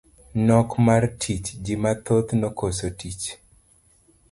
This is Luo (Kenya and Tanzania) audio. Nok mar tich, ji mathoth nokoso tich.